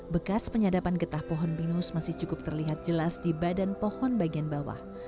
bekas penyadapan getah pohon pinus masih cukup terlihat jelas di badan pohon bagian bawah